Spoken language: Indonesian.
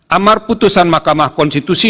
amar putusan makamah konstitusi